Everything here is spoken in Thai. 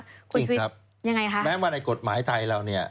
คุณชีวิตยังไงคะจริงครับแม้ว่าในกฎหมายไทยเรา